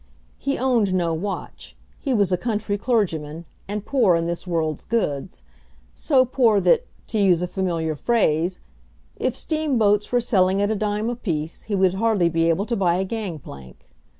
He owned no watch; he was a country clergyman, and poor in this world's goods; so poor that, to use a familiar phrase, "if steamboats were selling at a dime a piece, he would hardly be able to buy a gang plank."